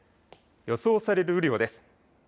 予想される雨量です。